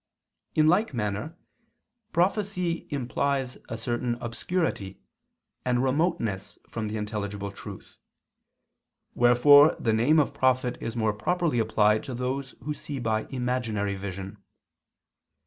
In like manner prophecy implies a certain obscurity, and remoteness from the intelligible truth; wherefore the name of prophet is more properly applied to those who see by imaginary vision.